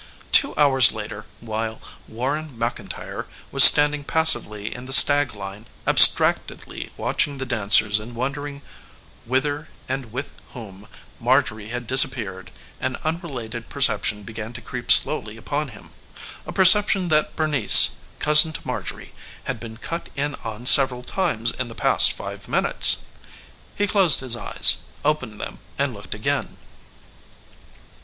Two hours later, while Warren McIntyre was standing passively in the stag line abstractedly watching the dancers and wondering whither and with whom Marjorie had disappeared, an unrelated perception began to creep slowly upon him a perception that Bernice, cousin to Marjorie, had been cut in on several times in the past five minutes. He closed his eyes, opened them and looked again.